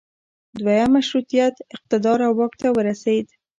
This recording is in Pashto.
دویم مشروطیت اقتدار او واک ته ورسید.